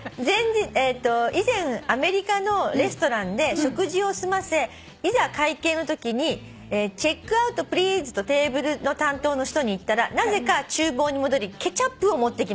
「以前アメリカのレストランで食事を済ませいざ会計のときに『チェックアウトプリーズ』とテーブルの担当の人に言ったらなぜか厨房に戻りケチャップを持ってきました」